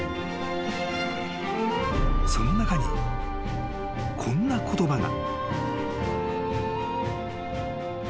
［その中にこんな言葉が］